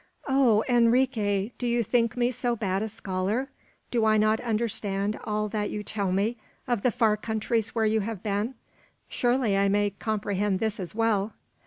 "Oh, Enrique; do you think me so bad a scholar? Do I not understand all that you tell me of the far countries where you have been? Surely I may comprehend this as well."